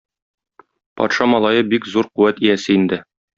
Патша малае бик зур куәт иясе инде.